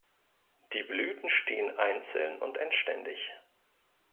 Die Blüten stehen einzeln und endständig.